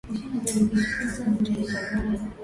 Wanawake ni watu wazuri.